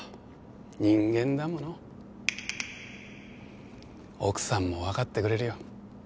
人間だもの奥さんも分かってくれるよ